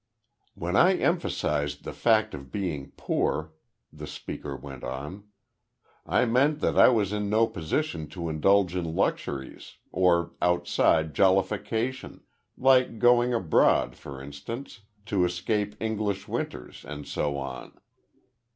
"When I emphasised the fact of being poor," the speaker went on, "I meant that I was in no position to indulge in luxuries, or outside jollification, like going abroad, for instance, to escape English winters, and so on.